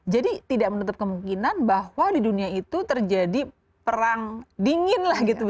jadi tidak menutup kemungkinan bahwa di dunia itu terjadi perang dingin lah gitu